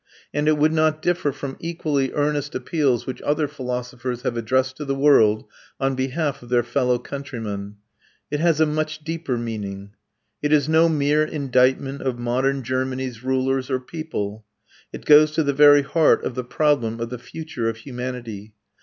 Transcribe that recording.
And it would not differ from equally earnest appeals which other philosophers have addressed to the world on behalf of their fellow countrymen. It has a much deeper meaning. It is no mere indictment of modern Germany's rulers or people. It goes to the very heart of the problem of the future of humanity.